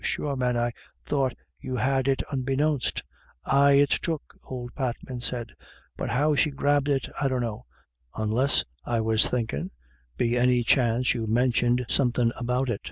Sure, man, I thought you had it unbeknownst." "Aye, it's took," old Patman said; "but how she grabbed it I dunno, unless, I was thinkin', be any chance you mentioned somethin' about it."